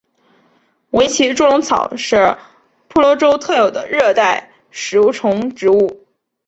维奇猪笼草是婆罗洲特有的热带食虫植物。